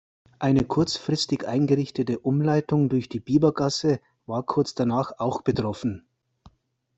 Eine kurzfristig eingerichtete Umleitung durch die Biebergasse war kurz danach auch betroffen.